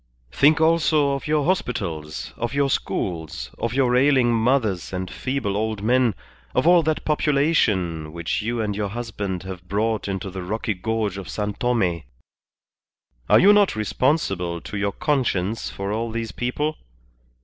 "Think also of your hospitals, of your schools, of your ailing mothers and feeble old men, of all that population which you and your husband have brought into the rocky gorge of San Tome. Are you not responsible to your conscience for all these people?